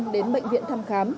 đến bệnh viện thăm khám